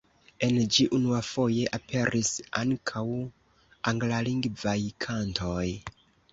En ĝi unuafoje aperis ankaŭ anglalingvaj kantoj.